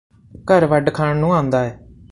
ਘਰ ਵੱਢ ਖਾਣ ਨੂੰ ਆਉਂਦਾ ਐ